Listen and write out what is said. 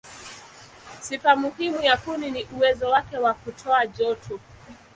Sifa muhimu ya kuni ni uwezo wake wa kutoa joto.